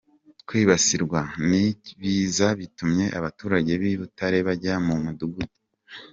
Kwibasirwa n’ibiza bitumye abaturage b’i Butare bajya mu midugudu